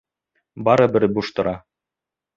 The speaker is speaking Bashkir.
Барыбер буш тора.